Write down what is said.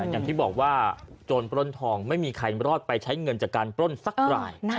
อย่างที่บอกว่าโจรปล้นทองไม่มีใครรอดไปใช้เงินจากการปล้นสักราย